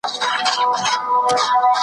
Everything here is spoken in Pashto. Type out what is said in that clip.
دوست ته حال وایه دښمن ته لاپي .